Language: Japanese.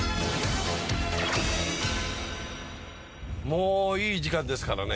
もういい時間ですからね。